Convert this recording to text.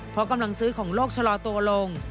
เพราะกำลังซื้อของโลกชะลอตัวลง